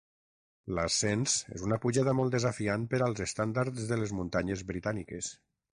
L'ascens és una pujada molt desafiant per als estàndards de les muntanyes britàniques.